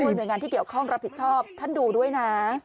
โดยหน่วยงานที่เกี่ยวข้องรับผิดชอบท่านดูด้วยนะ